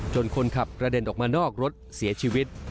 คนขับกระเด็นออกมานอกรถเสียชีวิต